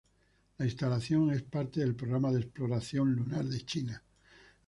La instalación, es parte del programa de Exploración Lunar de China.